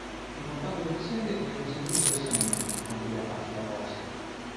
Il montaggio delle sedie venne eseguito diversamente nei confronti della capsula Vostok.